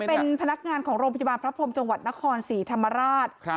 เป็นพนักงานของโรงพยาบาลพระพรมจังหวัดนครศรีธรรมราช